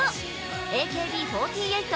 ＡＫＢ４８